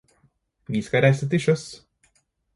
Vi skal reise til sjøs.